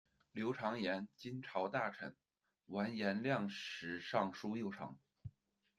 刘长言，金朝大臣，完颜亮时尚书右丞。